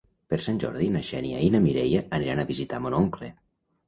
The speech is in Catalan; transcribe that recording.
Per Sant Jordi na Xènia i na Mireia aniran a visitar mon oncle.